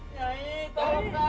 lu mau masuk